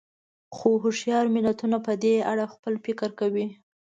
خو هوښیار ملتونه په دې اړه خپل فکر کوي.